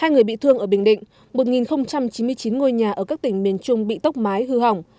hai người bị thương ở bình định một chín mươi chín ngôi nhà ở các tỉnh miền trung bị tốc mái hư hỏng